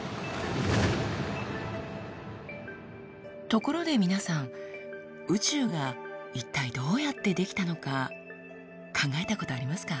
ところで皆さん宇宙が一体どうやって出来たのか考えたことありますか？